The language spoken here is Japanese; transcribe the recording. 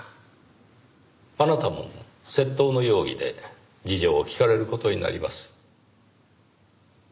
あなたも窃盗の容疑で事情を聞かれる事になります。